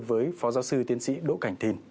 với phó giáo sư tiến sĩ đỗ cảnh thìn